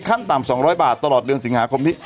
ขั้นต่ำ๒๐๐บาทตลอดเดือนสิงหาคมนี้